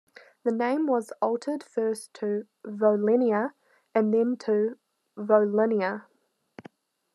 The name was altered first to "Volenia" and then to "Volinia".